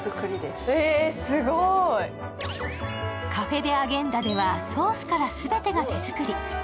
カフェ・デ・アゲンダではソースから全てが手作り。